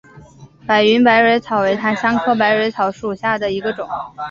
白云百蕊草为檀香科百蕊草属下的一个种。